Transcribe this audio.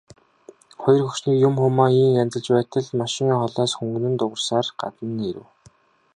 Хоёр хөгшнийг юм хумаа ийн янзалж байтал машин холоос хүнгэнэн дуугарсаар гадна нь ирэв.